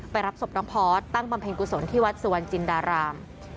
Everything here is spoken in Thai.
รับศพน้องพอร์ตตั้งบำเพ็ญกุศลที่วัดสุวรรณจินดาราม